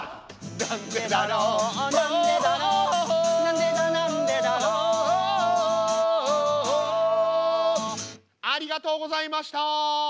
なんでだろうなんでだろうなんでだなんでだろうありがとうございました。